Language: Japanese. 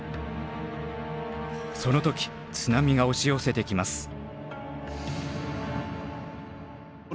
その時津波が押し寄せてきます。